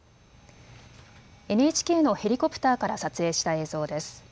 ＮＨＫのヘリコプターから撮影した映像です。